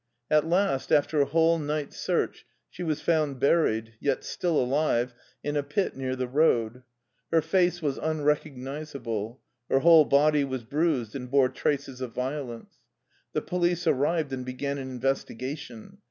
At last, after a whole night's search, she was found buried, yet still alive, in a pit near the road. Her face was unrecognizable. Her whole body was bruised and bore traces of vio lence. The police arrived and began an investi gation.